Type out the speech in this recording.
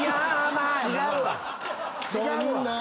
違うわ。